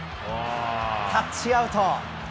タッチアウト。